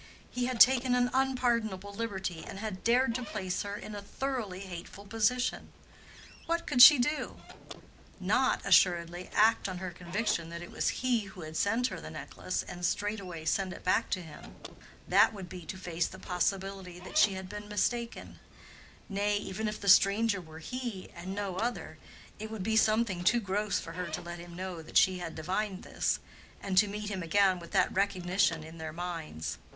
He had taken an unpardonable liberty, and had dared to place her in a thoroughly hateful position. What could she do?—Not, assuredly, act on her conviction that it was he who had sent her the necklace and straightway send it back to him: that would be to face the possibility that she had been mistaken; nay, even if the "stranger" were he and no other, it would be something too gross for her to let him know that she had divined this, and to meet him again with that recognition in their minds.